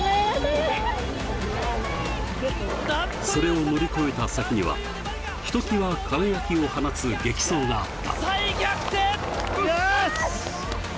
それを乗り越えた先には、ひと際、輝きを放つ激走があった。